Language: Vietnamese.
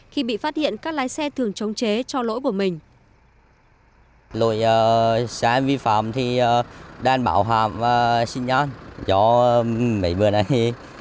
khi bị phát hiện các lái xe thường chống chế cho lỗi của mình